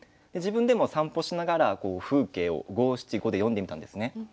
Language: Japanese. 自分でも散歩しながら風景を五七五で詠んでみたんですね。